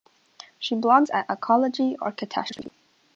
She blogs at Ecology or Catastrophe.